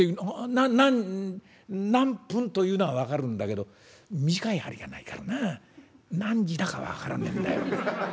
「何何何分というのは分かるんだけど短い針がないからな何時だか分からねえんだよ」。